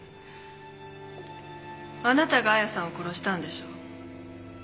あなたが亜矢さんを殺したんでしょ？